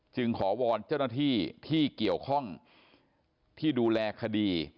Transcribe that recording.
ขอวอนเจ้าหน้าที่ที่เกี่ยวข้องที่ดูแลคดี